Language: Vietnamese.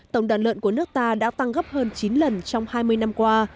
tổng đàn lợn của nước ta đã tăng gấp hơn chín lần trong hai mươi năm qua